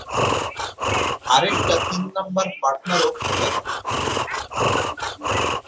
আরেকটা তিন নাম্বার পার্টনারও খোঁজা লাগবে।